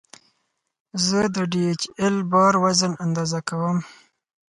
زه د ډي ایچ ایل بار وزن اندازه کوم.